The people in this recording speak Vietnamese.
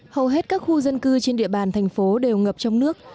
hầu hết các khu dân cư trên địa bàn thành phố đều ngập trong nước